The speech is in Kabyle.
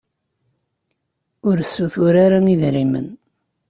Ur ssutur ara idrimen.